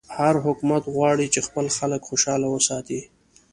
هر حکومت غواړي چې خپل خلک خوشحاله وساتي.